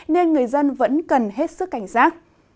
nên người dân vẫn cần hết sức cảnh giác